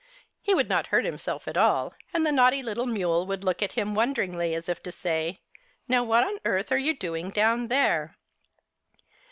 He would not hurt himself at all, and the naughty little mule would look at him wonderingly as if to say :" Now what on earth are you doing down there